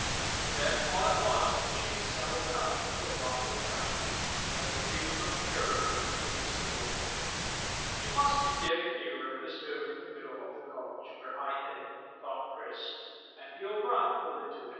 Then all at once the chase settled down into a wilder gallop, as a feeling of terror influenced the boy. "We must be getting nearer the stone in the middle of the gulch where I hid," thought Chris, "and he'll run full into it."